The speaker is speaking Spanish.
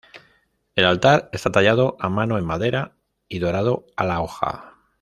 El altar está tallado a mano en madera y dorado a la hoja.